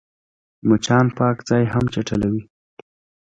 مچان پاک ځای هم چټلوي